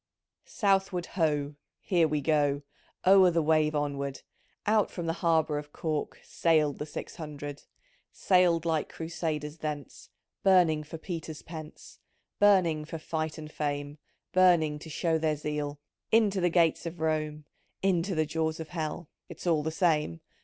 Southward Ho — Here we go I O'er the wave onward Out from the Harbour of Cork Sailed the Six Hundred ! Sailed like Crusaders thence, Burning for Peter's pence. — Burning for fight and fame — Burning to show their zeal = 3* Into the gates of Rome, Into the jaws of Hell, (It's all the same)